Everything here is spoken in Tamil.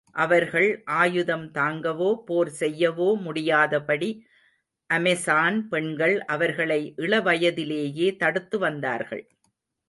அவர்கள் ஆயுதம் தாங்கவோ, போர் செய்யவோ முடியாதபடி, அமெசான் பெண்கள் அவர்களை இளவயதிலேயே தடுத்து வந்தார்கள்.